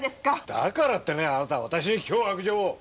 だからってねあなた私に脅迫状をっ！